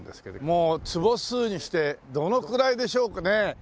もう坪数にしてどのくらいでしょうかね？